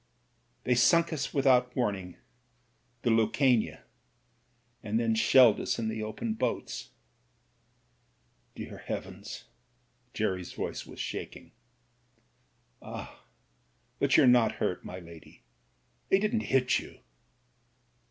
"They sunk us without warn ing — ^the Lucania — ^and then shelled us in the open boats." "Dear heavens !" Jerry's voice was shaking. "Ah ! but you're not hurt, my lady; they didn't hit you?"